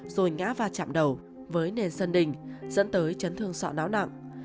rồi ngã vào chạm đầu với nền sân đỉnh dẫn tới chấn thương sỏ não nặng